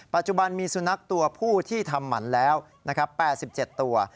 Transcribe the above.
ปัจจุบันมีสุนัขตัวผู้ที่ทำหมันแล้ว๘๗ตัว